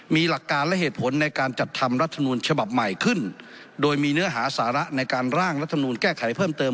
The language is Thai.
มีหลักการและเหตุผลในการจัดทำรัฐมนูลฉบับใหม่ขึ้นโดยมีเนื้อหาสาระในการร่างรัฐมนูลแก้ไขเพิ่มเติม